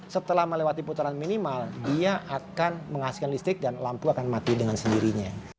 setelah melewati putaran minimal dia akan menghasilkan listrik dan lampu akan mati dengan sendirinya